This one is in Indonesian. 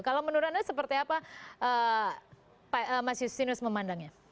kalau menurut anda seperti apa mas justinus memandangnya